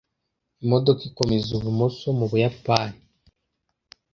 imodoka ikomeza ibumoso mu buyapani